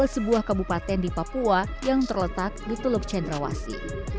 ini sebuah kabupaten di papua yang terletak di teluk cendrawasi